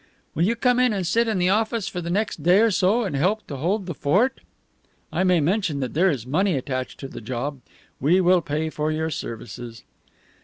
"Will you come in and sit in the office for the next day or so and help hold the fort? I may mention that there is money attached to the job. We will pay for your services."